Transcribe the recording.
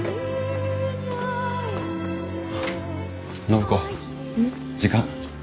暢子時間。